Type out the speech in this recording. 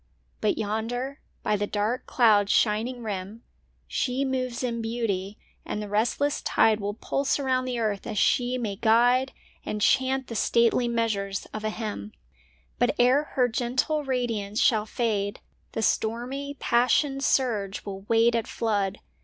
But yonder, by the dark cloud's shining rim, She moves in beauty, and the restless tide Will pulse around the earth as she may guide And chant the stately measures of a hymn. But, ere her gentle radiance shall fade, The stormy, passioned surge will wait at flood.